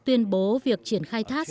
tuyên bố việc triển khai thát